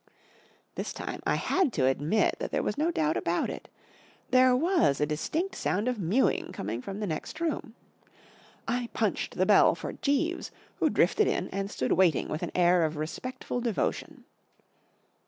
T HIS time I had to admit there was no doubt about it. There was a distinct sound of mewing coming from the next room. I punched the bell for Jeeves, who drifted in and stood waiting with an air of respectful devotion.